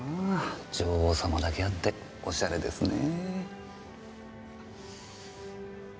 女王様だけあっておしゃれですね。